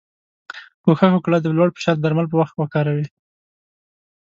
کوښښ وکړی د لوړ فشار درمل په وخت وکاروی.